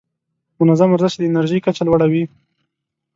منظم ورزش د انرژۍ کچه لوړه وي.